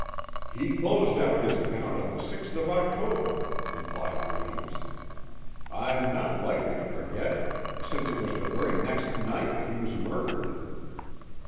"He closed out his account on the sixth of October," replied Raines. "I'm not likely to forget it, since it was the very next night that he was murdered."